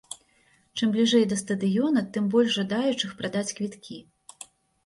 Чым бліжэй да стадыёна, тым больш жадаючых прадаць квіткі.